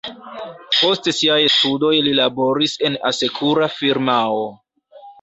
Post siaj studoj li laboris en asekura firmao.